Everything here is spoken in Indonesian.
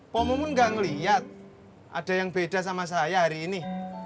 pok kamu pun gak ngeliat ada yang beda sama saya hari ini